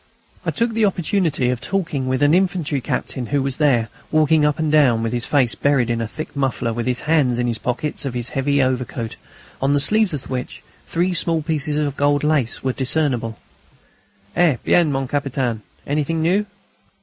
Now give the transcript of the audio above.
I took the opportunity of talking with an infantry captain who was there, walking up and down with his face buried in a thick muffler and his hands in the pockets of his heavy overcoat, on the sleeves of which three small pieces of gold lace were just discernible. "Eh bien, mon Capitaine! Anything new?"